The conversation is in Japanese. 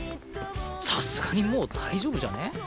さすがにもう大丈夫じゃね？